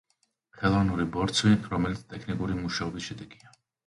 ხელოვნური ბორცვი, რომელიც ტექნიკური მუშაობის შედეგია.